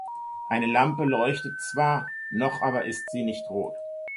Eine Lampe leuchtet zwar, noch aber ist sie nicht rot.